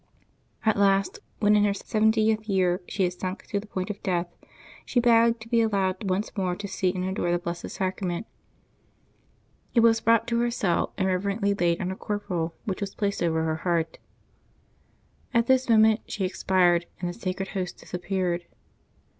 At last, when, in her seventieth year, she had sunk to the point of death, she begged to be al lowed once more to see and adore the Blessed Sacrament. It was brought to her cell, and reverently laid on a corporal, which was placed over her heart. At this moment she expired, and the Sacred Host disappeared.